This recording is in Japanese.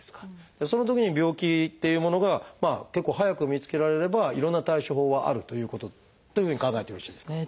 そのときに病気っていうものが結構早く見つけられればいろんな対処法があるということというふうに考えてよろしいですか？